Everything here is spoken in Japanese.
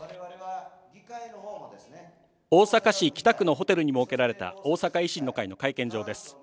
大阪市北区のホテルに設けられた大阪維新の会の会見場です。